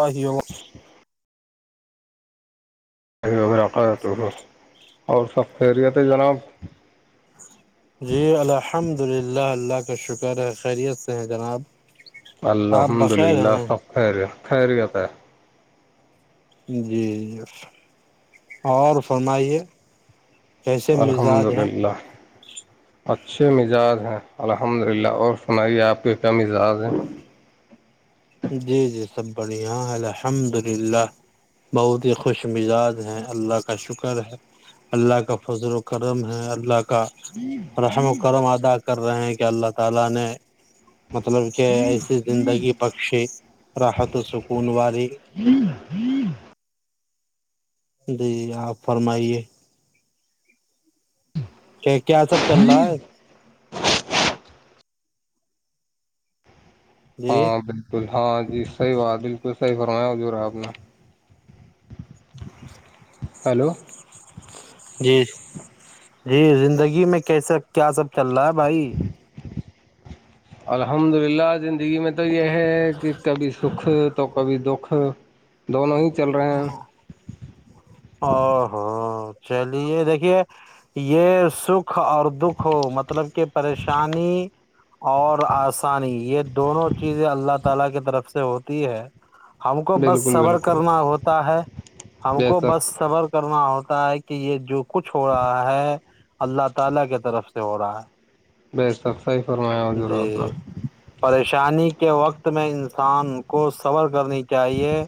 آ ہی ہ [inaudible] اور تو ہو اور سب خیریت ہے جناب جی الحمد للہ اللہ کا شکر ہے خیریت سے ہیں جناب آپ الحمد بخیر للہ ہیں سب خیر خیریت ہے جی جی اور فرمائیے کیسے الحمد مزاج ہیں للہ اچھے مزاج ہیں الحمد للہ اور سنائیے آپ کو کیا رق [inaudible] جی جی سب بڑھیا الحمد للہ بہت ہی خوش مزاج ہے اللہ کا شکر ہے اللہ کا فضر و کرم ہے اللہ کا کا رحم و کرم ادا [inaudible] مطلب کہ ایسی زندگی بکشے رحت سکون والے جی آپ فرمائیے کہ کیا سب چل رہا ہے جی ہاں بالکل ہاں جی صحیح بات بالکل صحیح فرمایا ج رہا ہے آپ نے ہیلو جی جی زندگی میں کیسا کیا سب چل رہا ہے بھائی الحمد للہ زندگی میں تو یہ ہے کہ کبھی سکھ تو کبھی دکھ ہاں دونوں ہی چل رہے ہیں آ ہاں چلیے دیکھیے یہ سکھ اور دکھ ہو مطلب کہ پریشانی [unintelligible] ہم کو بس بالکل سورر بالکل کرنا ہوتا ہے ہم بے کو بس شک سفر کرنا ہوتا ہے کہ یہ جو کچھ ہو رہا ہے [unintelligible] ب آب صی فرمایا ہے جی حضورپنا پریشانی کے وقت میں انسان کو سبر کرنی چاہیے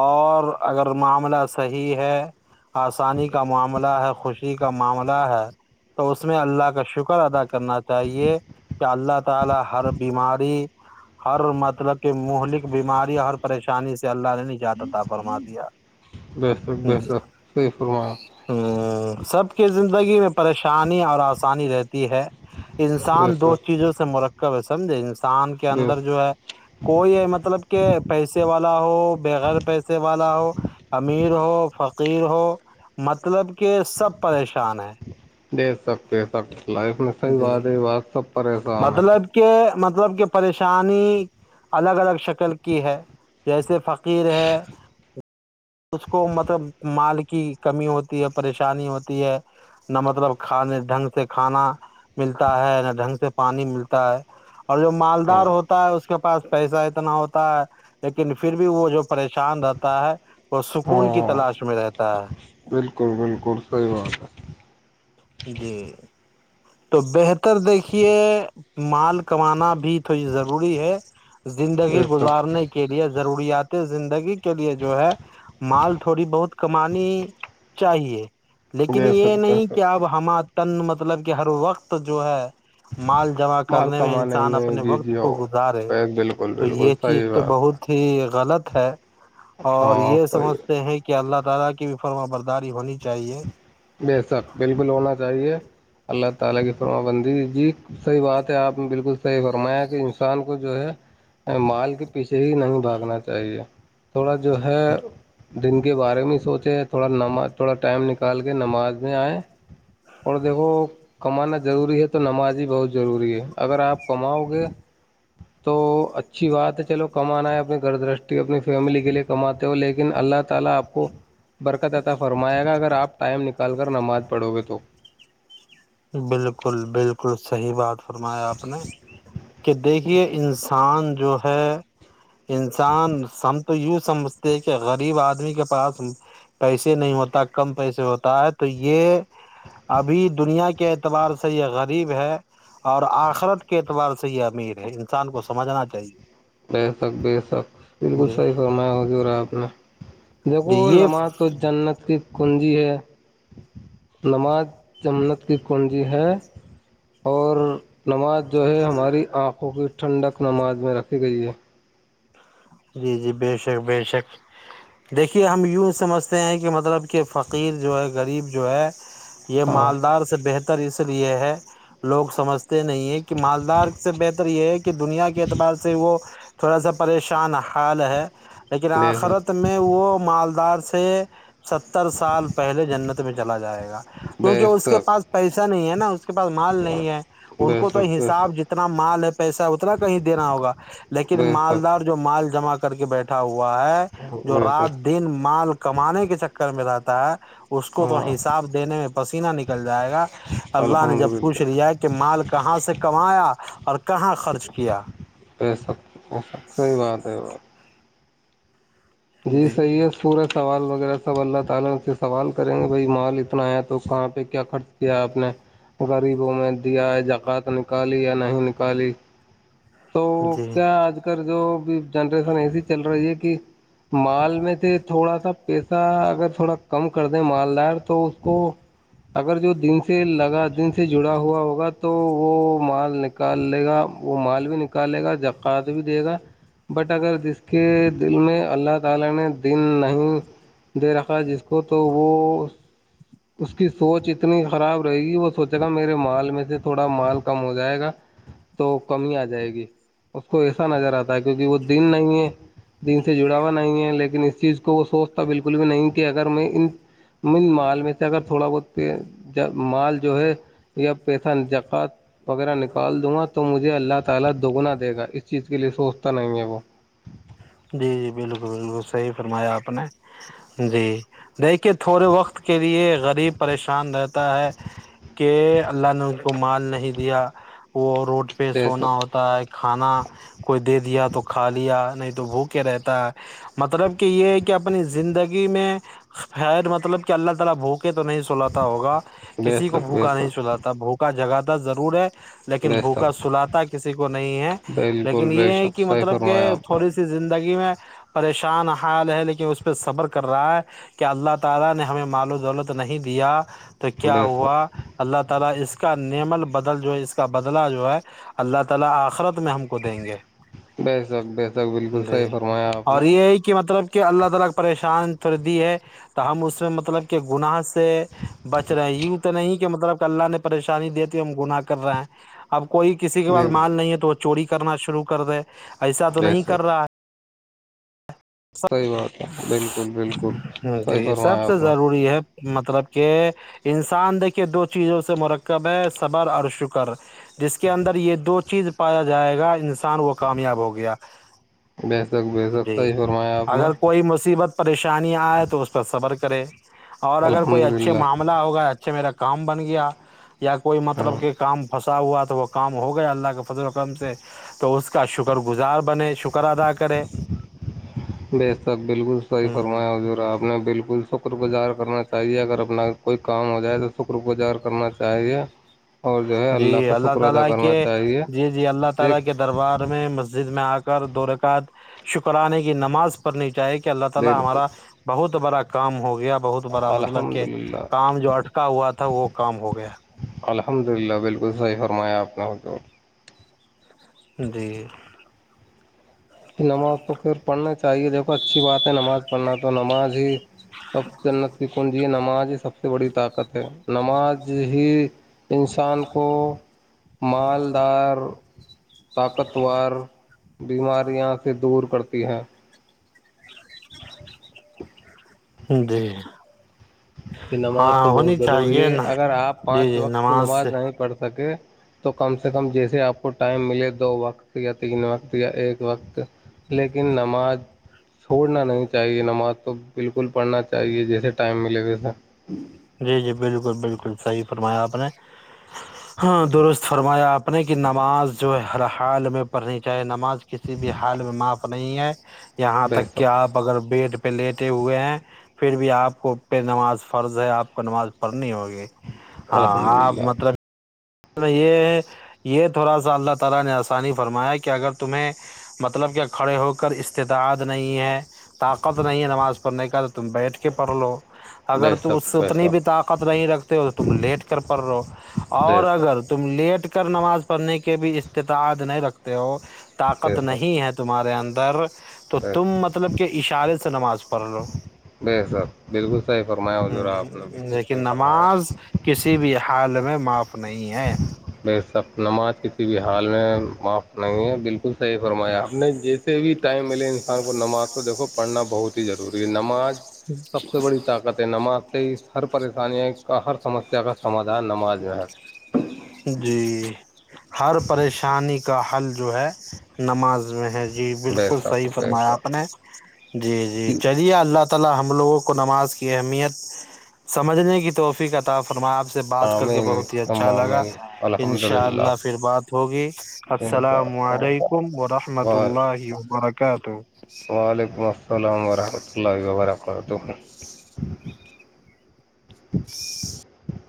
اور [unintelligible] دیا بے شک [unintelligible] بے جی شک صحیح فرمایا ہ سب کے زندگی میں پریش شانی اور آسانی رہتی ہے بے انسان شک دو چیزوں سے مرک کب سمھیں گ ان کے دے اندر جو ہے کوئی مطلب کہ پیسے والا ہو بےغیر پیسے والا ہو امیر ہو فقیر ہو مطلب کہ سب پریشان ہے دیکے سکتے سک لائف میں صحیح جی بات ہے بات سب پریشان ہے مطلب کہ مطلب کہ پریشانی الگ الگ شکل کی ہے جیسے فقیر ہے اس کو مطلب مال کی کمی ہوتی ہے پریشانی ہوتی ہے نہ مطلب کھانے ڈھنگ سے کھانا ملتا ہے نہ ڈھنگ سے پانی ملتا ہے اور جو مالدار ہوتا ہے اس کے پاس پیسہ اتنا ہوتا ہے لیکن پھر بھی وہ جو پریشان رہتا ہے وہ سکون کی ہاں تلاش میں رہتا ہے بالکل بالکل صحی بات ہے جی تو بہتر دیکھیے مال کمانا بھی تھوڑی ضروری ہے ہے زندگی دے سک گزارنے کے لیے ضروریات زندگی کے لیے جو ہے مال تھوڑی بہت کمانی چاہیے لیکن دے یہ سکتے نہیں سر کہ اب ہما تن مطلب کہ ہر وقت جو ہے مال جمع مال کرنے میں کمانے انسان میں اپنے بزی وقت کو ہو گزارے بالکل تو بالکل یہ چیز صحیح تو بات ہے بہت ہی غلط ہے [unintelligible] اور ہاں یہ صحیح سمجھتے ہیں کہ [unintelligible] [unintelligible] پیچھے ہی نہیں بھاگنا چاہیے تھوڑا جو ہے دن کے بارے میں سوچے تھوڑا نماز تھڑا ٹائم نکال کہ نماز میں آئےیں اور دیکھو کمانا ضروری ہے تو نماز ہی بہت ضروری ہے اگر آپ کماؤ گے تو اچھی بات ہے چلو کم آنا ہے اپنی گھر دشٹی اپنی فیملی کے لیے کماتے ہو لیکن اللہ تعالی پ کو برکت اطا فرمائے گا اگر آپ ٹائم نکال کر نماز پڑھو گے تو بالکل بالکل صحیح بات فرمایا آپ نے کہ دیکھیے انسان جو ہے انسان ہم تو یوں سمجھتے کہ غریب آدمی کے پاس پیسے نہیں ہوتا کم پیسے ہوتا ہے تو یہ ابھی دنیا کے کے اعتبار سے یہ غریب ہے اور آخرت کے اعتبار سے یہ امیر ہے انسان کو سمجھنا چاہیے بے شک بے شک بالکل جی صحیح فرما ہو ج رہا ہے آپ نے جی دیکھو یہ نماز تو جنت کی کنڈ ہے نماز جمنت کی کنجی ہے اور نماز جو ہے ہماری آنکھوں کی ٹھڈک ناز میں رکھ ٹھیک جے جی جی بے شک بے شک دیکھیے ہم یوں سمجھتے ہیں کہ مطلب کہ فقیر جو ہے غریب جو ہے یہ ہاں مالدار سے بہتر اس لیے ہے لوگ سمجھتے نہیں ہیں کہ مالدار سے بہتر یہ ہے کہ دنیا کے اعتبار سے وہ تھوڑا سا پریشان شان حال ہے لیکن بے آخرت شک میں وہ مالدار سے سے ستر سال پہلے جنت میں چلا جائے گا کیونکہ بے اس کے پاس شک پیسے نہیں ہے نا پاس مال نہیں ہے ان بے کو تو شک بے حساب شک جتنا مال ہے پیسہ اتنا کہیں دینا ہوگا لیکن بے شک مالدار جو جمع کر کے بیٹھا ہوا ہوا ہے جو بے رات شک دن مال کمانے کے چکر میں رہتا تھا اس کو تو ہاں حساب دینے میں پسیینہ نکل جائے گا اللہ نے الحمد جب للہ پوچھ لیا کہ مال کہاں سے کمایا اور کہاں خرچ کیا صحی بات ہے ب جی صحیح ہے پورا سوال وغیرہ سب اللہ تعال سے سوال کریں گے بھائی مال اتنا ہے تو کہاں پہ کیا خرچ کیا ہے آپ نے غریبوں میں دیا جا رات نکالی یا نہیں نکالی تو جی جی کیا آج کل جو ا جنریشن ایسی چل رہی ہے کہ مال میں تھے تھوڑا سا پیسا اگر تھوڑا کم کر دیں مال دائٹ تو اس کو اگر جو دن سے لگا دن سے جڑا ہوا ہوگا تو وہ مال نکال لے گا وہ مال نکالے گا جکات بھی دے گا بٹ اگر جس کے دل میں اللہ تعالی نے دن نہیں دے رکھا جس کو تو وہ اس کی سوچ اتنی خراب رہے گی وہ سوچے گا میرے مال میں سے تھوڑا مال کم ہو جائے گا تو کمی آ جائے گی اس کو ایسا نظر آتا ہے کیونکہ وہ دن نہیں ہے دن سے جڑاوا نہیں ہے لیکن اس چیز کو وہ سوچتا بالکل بھی نہیں کہ اگر میں ان م مال میں تھوڑا بتے مال جو ہے یا پیسہ جکات وغیرہ نکال دوں گا تو مجھے اللہ تعال دگنا دے گا اس چیز کے لیے سوچتا نہیں ہے وہ جی جی بالکل بالکل صحیح فرمایا آپ نے جی دیکھیے تھوڑے وقت کے لیے غریب پریشان رہتا ہے کہ اللہ نے ان کو مال نہیں دیا وہ روٹی [unintelligible] پہ بے سونا شک ہوتا ہے کھانا کوئی دے دیا تو کھا لیا نہیں تو بھوکے رہتا ہے مطلب کہ یہ ہے کہ اپنی زندگی میں خیر مطلب کہ اللہ تعالی بھوکے تو نہیں سلاا ہوگا بے کسی کو شک بے بھوکا نہیں شک سلاتا بھوکا جگا تو ضرور ہے لیکن بے بھوکا شک سلا کسی کو نہیں ہے بالکل لیکن یہ بے ہے شک کہ صحیح مطلب کہ فرمایا آپ نے تھوڑی سی [unintelligible] [unintelligible] بے شک [inaudible] بدل جو ہے اس کا بدلہ جو ہے اللہ تعالی آخرت میں ہم کو دیں گے بے شک بے شک بالکل جی صحیح فرمایا آپ اور نے یہ ہے کہ مطلب کیا اللہ تعالی پریشان تردی ہے تو ہم اس میں مطلب کہ گناہ سے بچ رہے ہیں یوں تو نہیں کہ مطلب کہ اللہ نے پریشانی دی تھی ہم گناہ کر رہے ہیں اب کوئی کسی کے پاس جی مال نہیں ہے تو وہ چوری کرنا شرو کر د ایسا تو بے نہیں کیا شک صحیح بات ہے بالکل بالکل صحیح جی سب فرمایا سے آپ نے ضروری ہے مطلب کہ [inaudible] انسان دیکھے دو چیزوں سے مرکب ہے صبر اور شکر جس کے اندر یہ دو چیز پایا جائے گا انسان کان وہ کامیاب ہو گیا بے شک بے شک جی صحیح فرمایا آپ نے اگر کوئی مصیبت پریشانی آئے تو اس پر صبر کرے اور اگر کوئی الحمد اچھے للہ معاملہ ہوگا چھا میرا کام بن گیا یا کوئی ہاں مطلب کہ کامس [unintelligible] ا ہوا تو وہ کام ہو گیا اللہ کے فضل الکم سے تو اس کا شکر گزار بنے شکر ادا کرے ب صب بالکل صحیح ہوں فرمایا حضورا آپ نے بالکل شکر گزار کرنا چاہیے اگر اپنا کوئی کام ہو جائے تو شکر گجاگر کرنا چاہیے اور جو ہے [unintelligible] د اللہ کا شکر ادا کرنا چاہیے دیکھ رکات شکرانے کی نماز پڑنی جائے گ بالکل [unintelligible] بڑا کام ہوگا ہو گیا بہت بڑا مطلب الحمد کہ للہ کام جو اٹکا ہوا تھا وہ کام ہو گیا الحمد للہ بالکل صحیح فرمایا آپ نے ہو تو جی پھر پن چاہیے دیکھو اچھی بات ہے نماز پڑھنا تو نماز ہی سب جنت کی کنجی یہ نماز یہ سب سے بڑی طاقت ہے نماز ہی انسان کو مالدار طاقتور بیماری یہاں سے دور کرتے بہاں [unintelligible] کہ نماز تو ہاں بہت ہونی ضروری چاہیے ہے نا اگر آپ جی پانچ جی وقت کی نماز سے نہیں پڑھ سکے تو کم سے کم جیسے آپ کو ٹائم ملے دو وقت یا تین وقت یا ایک وقت لیکن نماز چھوڑنا نہیں چاہیے نماز تو بالکل پڑھنا چاہیے جیسے ٹائم ملے گی سر جی جی بالکل بالکل صحی فرمایا آپ ا [unintelligible] ہاں درست فرمایا آپ اپنے کی نماز جو ہے ہر حال میں پڑھنی چاہیے نماز کسی بھی حال میں معاف نہیں ہے یہاں تک کہ بےسک آپ اگر بیڈ لیٹے ہوئے ہیں پھر بھی آپ کو پے نماز فرض ہے آپ کو نماز پڑنی ہوگی ہاں الحمد آپ للہ مطلب یہ یہ تھوڑا سا اللہ تعالی نے آسانی فرمایا کہ اگر تمہیں مطلب کہ کھڑے ہو کر استطاعت نہیں ہے طاقت نہیں ہے نماز پڑھنے کی کا تم بٹ کے پڑلو اگر ت اس بےسک سے اتنی بھی بےسک طاقت نہیں رکھتے ہو تو تم لیٹ کر پڑ رہے ہو اور بےسک اگر لیٹ کر نماز پڑھنے کے بھی استطاعت نہیں رکھتے ہو طاقت بےسک نہیں ہے تمہارے اندر در تو تم بےسک مطلب کہ اشارے سے نماز پڑھ پرلو بے سر بالکل صحیح فرمایا ح ہ جورا آپ نے بالکل لیکن صحی فرمایا معپ ب سب نماز کی تھی بھی حال میں معاف نہیں ہے بالکل صحیح فرمایا آپ نے جیسے بھی ٹائم ملے انسان کو نماز تو دیکھو پڑھنا بہت ضروری ہے نماز سب سے بڑی طاقت ہے نماز سے ہر پریشانی کا ہر سمسیا کا سمادھان نماز میں ہے جی ہر پریشانی کا حل جو ہے نماز میں ہے ج جی بے بالکل صحی شک بے فرمایا آپ شک نے جی جی چلیے اللہ تی ت ہم لوگوں کو نماز کی اہمیت سمجھنے کی توحفی کا تحفظ آپ سے بات کر کے آمین بہت ہی ثم اچھا لگا آمین الحمد انشاء للہ اللہ پھر بات ہوگی السلام علیکم ورحمۃ اللہ وبرکاتہ کہ تو وعلیکم السلام ورحمۃ اللہ وبرکاتہ اور تو ہ [inaudible]